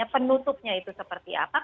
penutupnya itu seperti apa